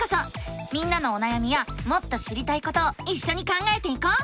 みんなのおなやみやもっと知りたいことをいっしょに考えていこう！